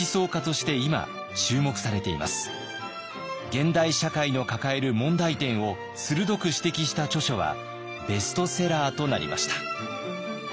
現代社会の抱える問題点を鋭く指摘した著書はベストセラーとなりました。